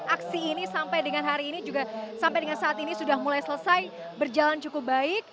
aksi ini sampai dengan hari ini juga sampai dengan saat ini sudah mulai selesai berjalan cukup baik